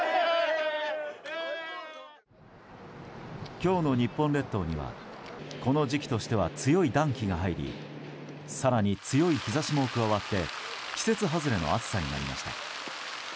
今日の日本列島にはこの時期としては強い暖気が入り更に、強い日差しも加わって季節外れの暑さになりました。